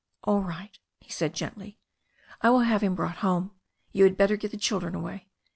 "All right," he said gently. "I will have him brought home. You had better get the children away."